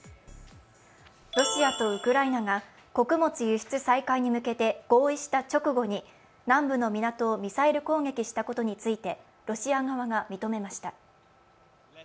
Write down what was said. ロシアとウクライナが穀物輸出再開に向けて合意した直後に、南部の港をミサイル攻撃したことについてロシア側が認めました。